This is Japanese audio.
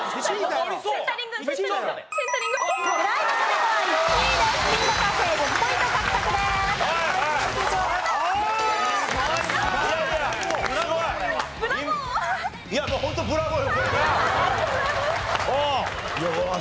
ありがとうございます。